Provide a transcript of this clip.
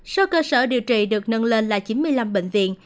số cơ sở điều trị được nâng lên là chín mươi năm bệnh viện